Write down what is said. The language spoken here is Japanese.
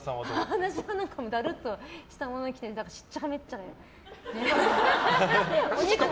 私はだるっとしたものを着てしっちゃかめっちゃか。